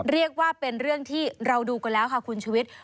เรียกว่าเป็นเรื่องที่เราดูกันแล้วค่ะคุณชุวิต